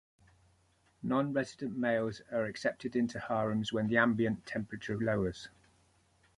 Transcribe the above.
Nonresident males are accepted into the harems when the ambient temperature lowers.